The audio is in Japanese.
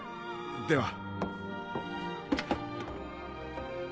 では。